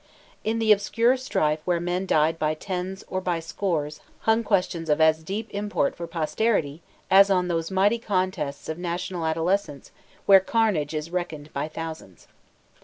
On the obscure strife where men died by tens or by scores hung questions of as deep import for posterity as on those mighty contests of national adolescence where carnage is reckoned by thousands.